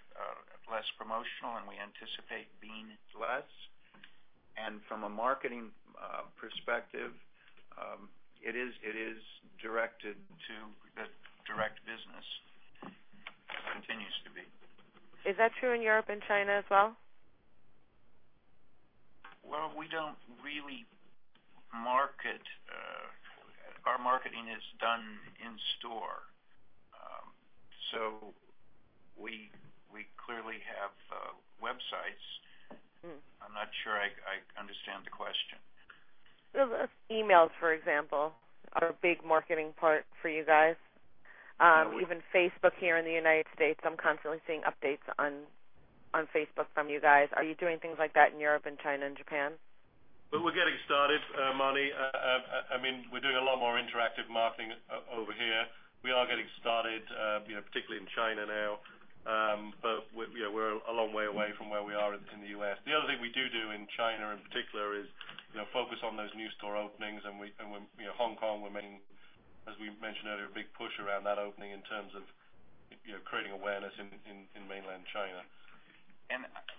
less promotional, and we anticipate being less. From a marketing perspective, it is directed to the direct business. Continues to be. Is that true in Europe and China as well? Well, we don't really market. Our marketing is done in store. We clearly have websites. I'm not sure I understand the question. Emails, for example, are a big marketing part for you guys. Even Facebook here in the United States. I'm constantly seeing updates on Facebook from you guys. Are you doing things like that in Europe and China and Japan? Well, we're getting started, Marni. We're doing a lot more interactive marketing over here. We are getting started, particularly in China now. But we're a long way away from where we are in the U.S. The other thing we do in China, in particular, is focus on those new store openings. Hong Kong, as we mentioned earlier, a big push around that opening in terms of creating awareness in mainland China.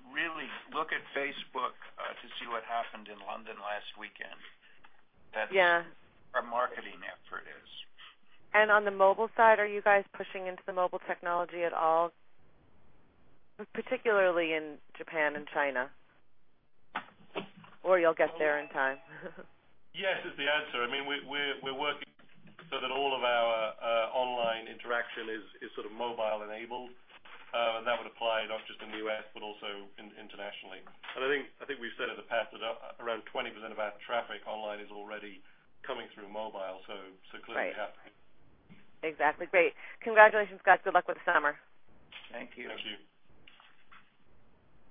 Really look at Facebook to see what happened in London last weekend. Yeah. That our marketing effort is. On the mobile side, are you guys pushing into the mobile technology at all, particularly in Japan and China? You'll get there in time? Yes is the answer. We're working so that all of our online interaction is mobile enabled. That would apply not just in the U.S., but also internationally. I think we've said in the past that around 20% of our traffic online is already coming through mobile. Right. Exactly. Great. Congratulations, guys. Good luck with the summer. Thank you. Thank you.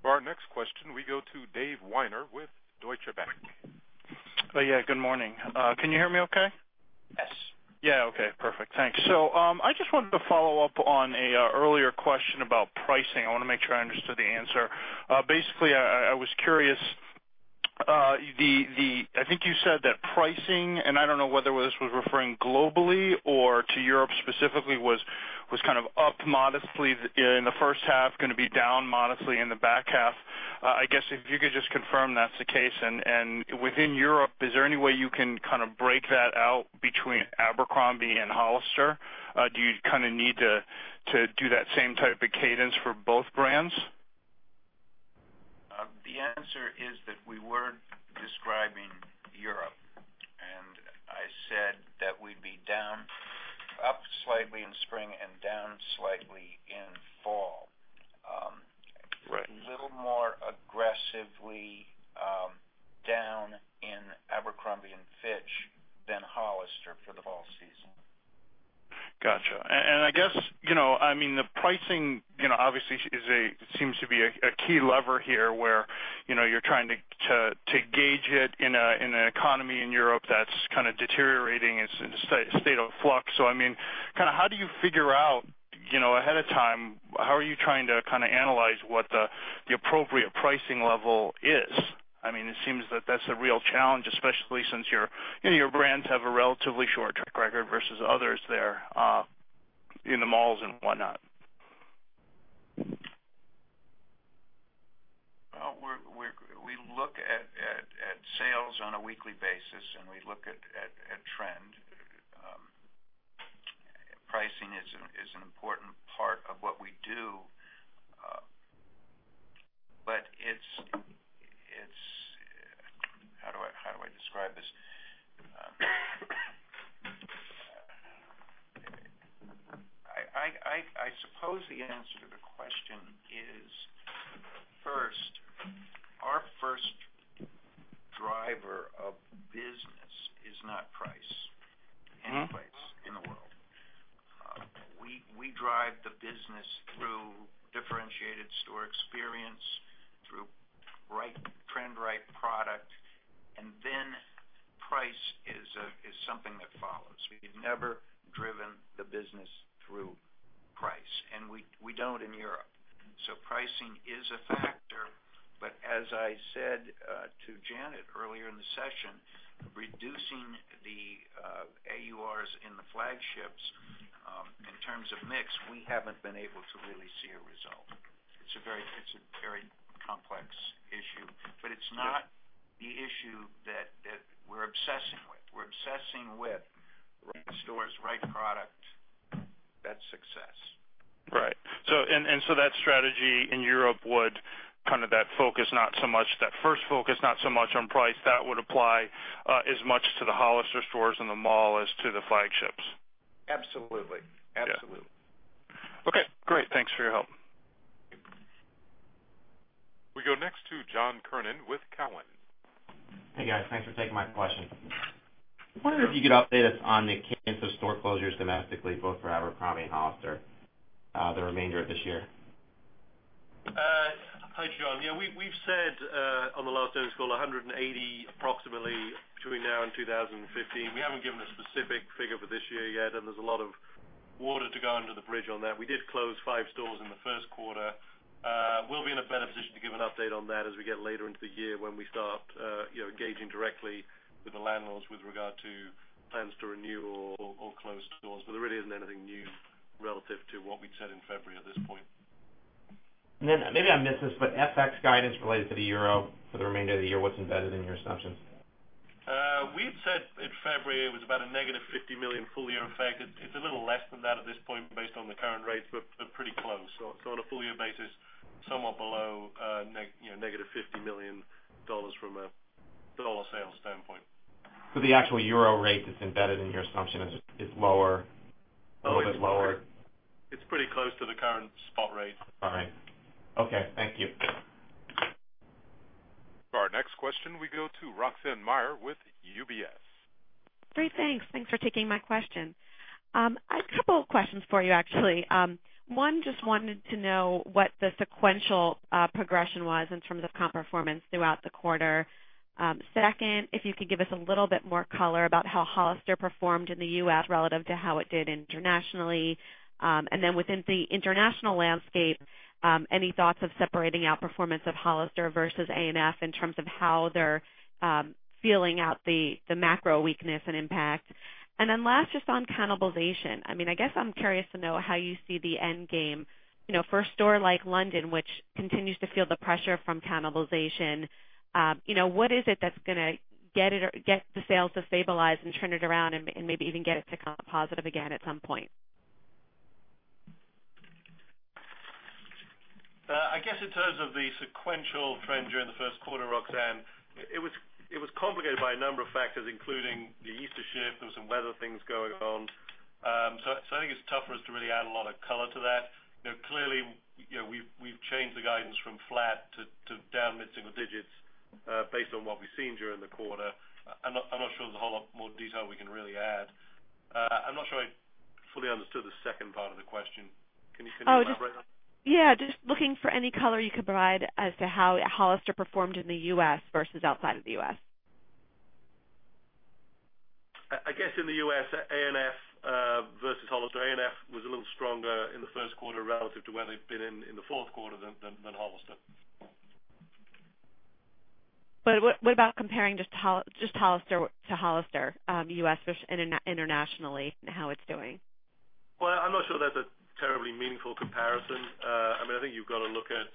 For our next question, we go to Dave Weiner with Deutsche Bank. Yeah, good morning. Can you hear me okay? Yes. Yeah, okay, perfect. Thanks. I just wanted to follow up on an earlier question about pricing. I want to make sure I understood the answer. Basically, I was curious. I think you said that pricing, and I don't know whether this was referring globally or to Europe specifically, was up modestly in the first half, going to be down modestly in the back half. I guess if you could just confirm that's the case. And within Europe, is there any way you can break that out between Abercrombie and Hollister? Do you need to do that same type of cadence for both brands? The answer is that we were describing Europe. I said that we'd be up slightly in spring and down slightly in fall. Right. A little more aggressively down in Abercrombie & Fitch than Hollister for the fall season. Got you. I guess, the pricing, obviously seems to be a key lever here where you're trying to gauge it in an economy in Europe that's deteriorating. It's in a state of flux. How do you figure out ahead of time, how are you trying to analyze what the appropriate pricing level is? It seems that that's a real challenge, especially since your brands have a relatively short track record versus others there in the malls and whatnot. Well, we look at sales on a weekly basis, and we look at trend. Pricing is an important part of what we do. How do I describe this? I suppose the answer to the question is, Hi, John. Yeah, we've said on the last earnings call, 180 approximately between now and 2015. We haven't given a specific figure for this year yet. There's a lot of water to go under the bridge on that. We did close five stores in the first quarter. We'll be in a better position to give an update on that as we get later into the year when we start engaging directly with the landlords with regard to plans to renew or close stores. There really isn't anything new relative to what we'd said in February at this point. Maybe I missed this, but FX guidance related to the euro for the remainder of the year. What's embedded in your assumptions? We had said in February it was about a negative $50 million full-year effect. It's a little less than that at this point based on the current rates, but pretty close. On a full-year basis, somewhat below negative $50 million from a dollar sales standpoint. The actual euro rate that's embedded in your assumption is lower, a little bit lower. It's pretty close to the current spot rate. All right. Okay. Thank you. For our next question, we go to Roxanne Meyer with UBS. Great, thanks. Thanks for taking my question. A couple of questions for you, actually. One, just wanted to know what the sequential progression was in terms of comp performance throughout the quarter. Second, if you could give us a little bit more color about how Hollister performed in the U.S. relative to how it did internationally. Within the international landscape, any thoughts of separating out performance of Hollister versus A&F in terms of how they're feeling out the macro weakness and impact. Last, just on cannibalization. I guess I'm curious to know how you see the end game. For a store like London, which continues to feel the pressure from cannibalization, what is it that's going to get the sales to stabilize and turn it around and maybe even get it to comp positive again at some point? Yes, in terms of the sequential trend during the first quarter, Roxanne, it was complicated by a number of factors, including the Easter shift and some weather things going on. I think it's tough for us to really add a lot of color to that. Clearly, we've changed the guidance from flat to down mid-single digits based on what we've seen during the quarter. I'm not sure there's a whole lot more detail we can really add. I'm not sure I fully understood the second part of the question. Can you elaborate on that? Yeah. Just looking for any color you could provide as to how Hollister performed in the U.S. versus outside of the U.S. I guess in the U.S., ANF versus Hollister, ANF was a little stronger in the first quarter relative to where they'd been in the fourth quarter than Hollister. What about comparing just Hollister to Hollister, U.S. versus internationally, and how it's doing? Well, I'm not sure that's a terribly meaningful comparison. I think you've got to look at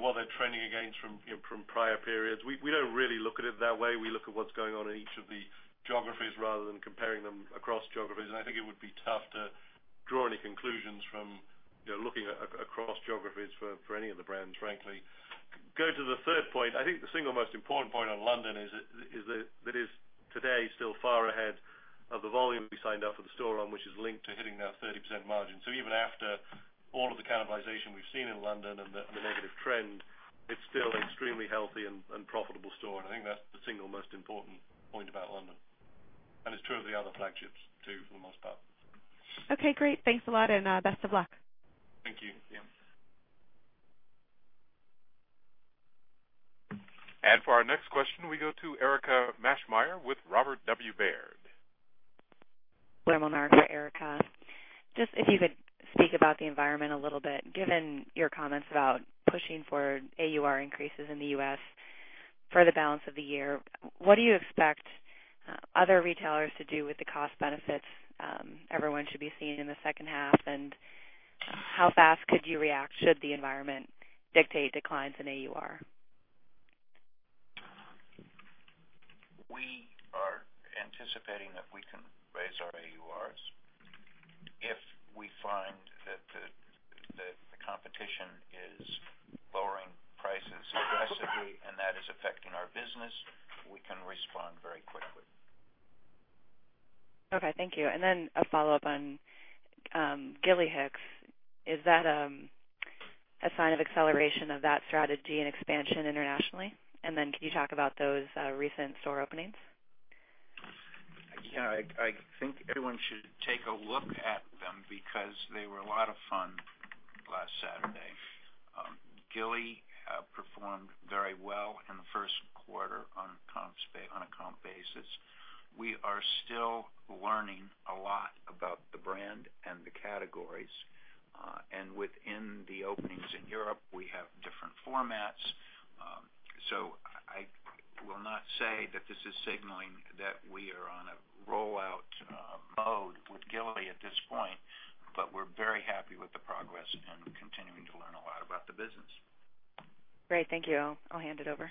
what they're trending against from prior periods. We don't really look at it that way. We look at what's going on in each of the geographies rather than comparing them across geographies. I think it would be tough to draw any conclusions from looking across geographies for any of the brands, frankly. Go to the third point. I think the single most important point on London is that it is today still far ahead of the volume we signed up for the store on, which is linked to hitting now 30% margin. Even after all of the cannibalization we've seen in London and the negative trend, it's still an extremely healthy and profitable store, and I think that's the single most important point about London. It's true of the other flagships, too, for the most part. Okay, great. Thanks a lot, and best of luck. Thank you. Yeah. For our next question, we go to Erika Maschmeyer with Robert W. Baird. Robert Baird, Erika. Just if you could speak about the environment a little bit, given your comments about pushing for AUR increases in the U.S. for the balance of the year, what do you expect other retailers to do with the cost benefits everyone should be seeing in the second half? How fast could you react should the environment dictate declines in AUR? We are anticipating that we can raise our AURs. If we find that the competition is lowering prices aggressively and that is affecting our business, we can respond very quickly. Okay, thank you. Then a follow-up on Gilly Hicks. Is that a sign of acceleration of that strategy and expansion internationally? Then can you talk about those recent store openings? Yeah. I think everyone should take a look at them because they were a lot of fun last Saturday. Gilly performed very well in the first quarter on a comp basis. We are still learning a lot about the brand and the categories. Within the openings in Europe, we have different formats. I will not say that this is signaling that we are on a rollout mode with Gilly at this point, but we're very happy with the progress and continuing to learn a lot about the business. Great. Thank you. I'll hand it over.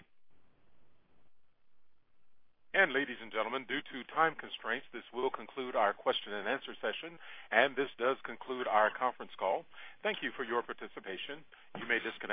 Ladies and gentlemen, due to time constraints, this will conclude our question and answer session, and this does conclude our conference call. Thank you for your participation. You may disconnect.